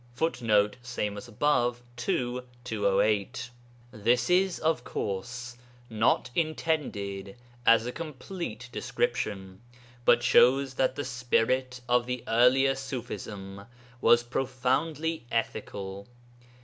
[Footnote: Ibid. ii. 208.] This is, of course, not intended as a complete description, but shows that the spirit of the earlier Ṣufism was profoundly ethical.